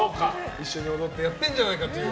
一緒に踊ってやってるんじゃないかと。